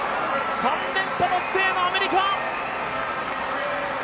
３連覇達成のアメリカ！